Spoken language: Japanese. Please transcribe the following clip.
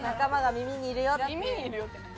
「耳にいるよ」って何？